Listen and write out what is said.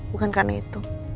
bukan karena itu